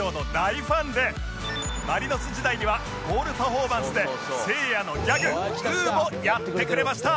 マリノス時代にはゴールパフォーマンスでせいやのギャグウーもやってくれました